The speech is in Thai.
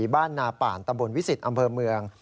บ้านนาป่านตำบลวิสิตอำเภอเมือง